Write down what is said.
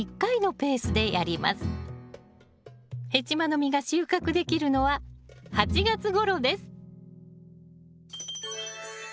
ヘチマの実が収穫できるのは８月ごろです